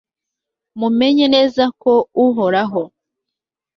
mumenye neza ko uhoraho